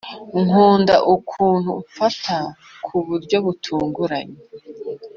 nkunda ukuntu mfata ku buryo butunguranye